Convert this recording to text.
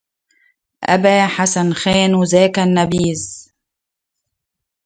أبا حسن خان ذاك النبيذ